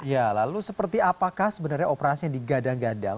ya lalu seperti apakah sebenarnya operasinya digadang gadang